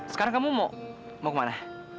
sekarang kamu mau kemana